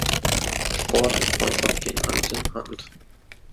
Sport und Freundschaft gehen Hand in Hand.